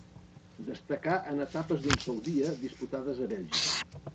Destacà en etapes d'un sol dia disputades a Bèlgica.